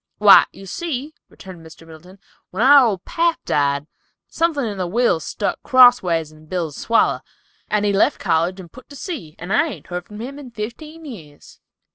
"Why, you see," returned Mr. Middleton, "when our old pap died, something in the will stuck crossways in Bill's swaller, and he left college and put to sea, and I hain't heard from him in fifteen years."